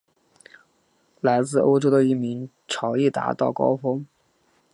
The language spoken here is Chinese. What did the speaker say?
来自欧洲的移民潮亦达到高峰。